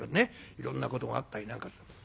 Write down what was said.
いろんなことがあったりなんかする。